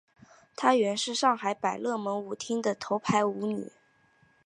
她原是上海百乐门舞厅的头牌舞女。